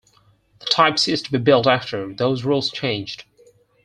The type ceased to be built after those rules changed.